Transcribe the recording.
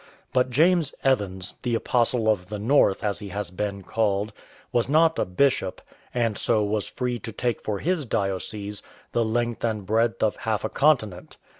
But James Evans, "the Apostle of the North,*" as he has been called, was not a bishop, and so was free to take for his diocese the length and breadth of half a continent.